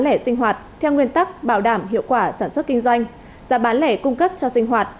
lẻ sinh hoạt theo nguyên tắc bảo đảm hiệu quả sản xuất kinh doanh giá bán lẻ cung cấp cho sinh hoạt